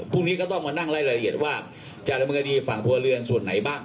พรุ่งนี้ก็ต้องมานั่งไล่รายละเอียดว่าจะดำเนินคดีฝั่งครัวเรือนส่วนไหนบ้าง